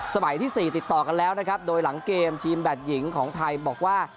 ที่๔ติดต่อกันแล้วนะครับโดยหลังเกมทีมแบตหญิงของไทยบอกว่า